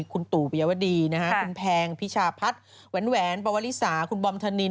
คุณตู่ปิยวดีนะฮะคุณแพงพิชาพัฒน์แหวนปวลิสาคุณบอมธนิน